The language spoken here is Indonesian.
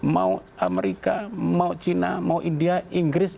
mau amerika mau cina mau india inggris